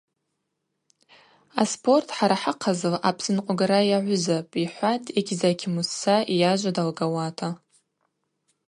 Аспорт хӏара хӏыхъазла апсыпнкъвгара йагӏвызапӏ, – йхӏватӏ Эгьзакь Мусса йажва далгауата.